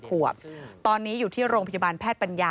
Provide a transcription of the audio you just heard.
พบหน้าลูกแบบเป็นร่างไร้วิญญาณ